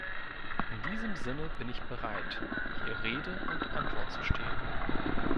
In diesem Sinne bin ich bereit, hier Rede und Antwort zu stehen.